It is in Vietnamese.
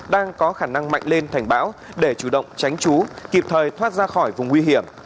đang có khả năng mạnh lên thành bão để chủ động tránh trú kịp thời thoát ra khỏi vùng nguy hiểm